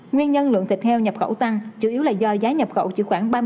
nguyên nhân lượng thịt heo nhập khẩu tăng chủ yếu là do giá nhập khẩu chỉ khoảng